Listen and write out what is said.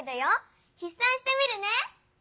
ひっ算してみるね。